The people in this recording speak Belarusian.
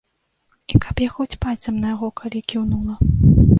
І каб я хоць пальцам на яго калі кіўнула.